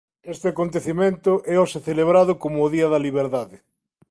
Este acontecemento é hoxe celebrado como o Día da Liberdade.